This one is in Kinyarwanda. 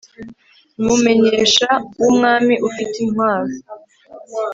nkumumenyesha wumwami ufite intwaro